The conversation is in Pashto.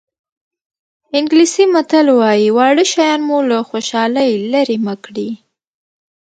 انګلیسي متل وایي واړه شیان مو له خوشحالۍ لرې مه کړي.